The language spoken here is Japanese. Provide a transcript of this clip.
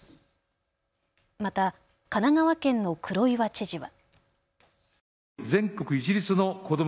また神奈川県の黒岩知事は。